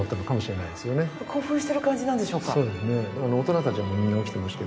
興奮してる感じなんでしょうか？